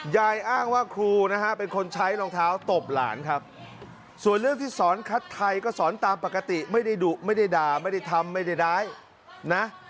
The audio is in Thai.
อ้างว่าครูนะฮะเป็นคนใช้รองเท้าตบหลานครับส่วนเรื่องที่สอนคัดไทยก็สอนตามปกติไม่ได้ดุไม่ได้ด่าไม่ได้ทำไม่ได้ร้ายนะ